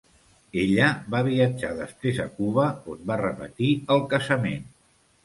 Ella va viatjar després a Cuba, on van repetir el casament.